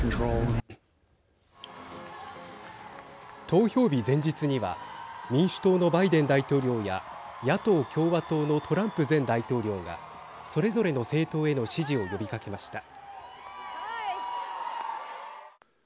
投票日前日には民主党のバイデン大統領や野党・共和党のトランプ前大統領がそれぞれの政党への支持を呼びかけました。